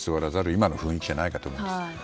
今の雰囲気じゃないかと思います。